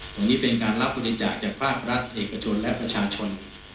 ตรงนี้เป็นการรับบริจาคจากภาครัฐเอกชนและประชาชน